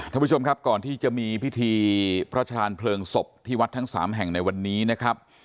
ท่านผู้ชมครับก่อนที่จะมีพิธีพระชาญเพลิงศพที่วัดทั้งสามแห่งในวันนี้นะครับ